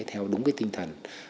theo đúng cái tinh thần